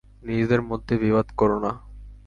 নিজেদের মধ্যে বিবাদ করো না।